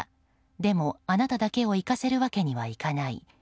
でも、あなただけを逝かせるわけにはいかない。